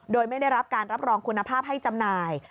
โดยไม่ได้รับการรับรองคุณภาพให้จำหน่าย